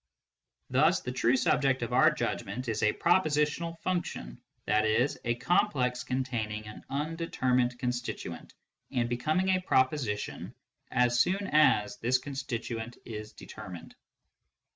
Thus the true subject of our judgment is a prepositional function, i.e. a complex containing an undetermined constituent, and becoming a proposition as soon as this constituent is determined.